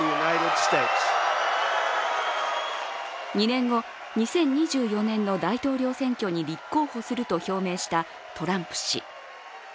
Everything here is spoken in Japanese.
２年後、２０２４年の大統領選挙に立候補すると表明したトランプ氏。